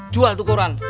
jual tuh koran